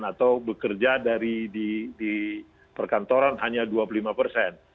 atau bekerja di perkantoran hanya dua puluh lima persen